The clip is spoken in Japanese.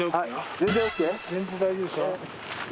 全然大丈夫ですよ。